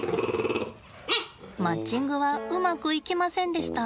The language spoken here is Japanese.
マッチングはうまくいきませんでした。